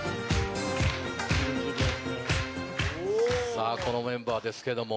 さぁこのメンバーですけども。